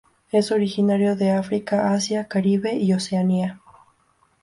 Es originario de África, Asia, Caribe y Oceanía.